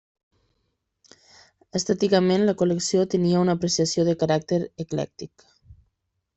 Estèticament la col·lecció tenia una apreciació de caràcter eclèctic.